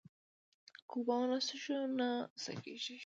که اوبه ونه څښو نو څه کیږي